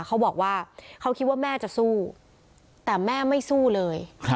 เขาบอกว่าเขาคิดว่าแม่จะสู้แต่แม่ไม่สู้เลย